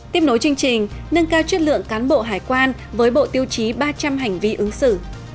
tiếp nối chương trình nâng cao chất lượng cán bộ hải quan với bộ tiêu chí ba trăm linh hành vi ứng xử